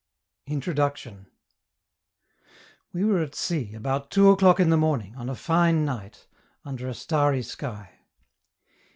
INTRODUCTION We were at sea, about two o'clock in the morning, on a fine night, under a starry sky.